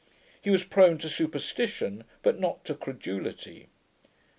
He was prone to superstition, but not to credulity.